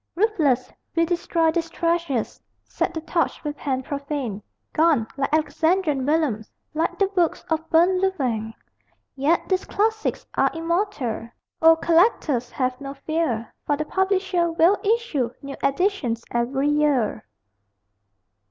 Ruthless, we destroy these treasures, Set the torch with hand profane Gone, like Alexandrian vellums, Like the books of burnt Louvain! Yet these classics are immortal: O collectors, have no fear, For the publisher will issue New editions every year.